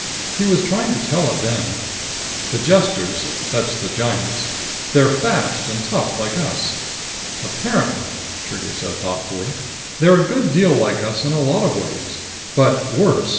He was trying to tell it then. The Jesters that's the giants they're fast and tough like us. Apparently," Trigger said thoughtfully, "they're a good deal like us in a lot of ways. But worse.